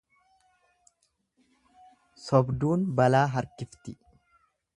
Sobduun balaa harkifti.